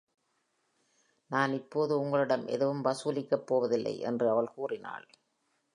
"நான் இப்போது உங்களிடம் எதுவும் வசூலிக்கப் போவதில்லை" என்று அவள் கூறினாள்.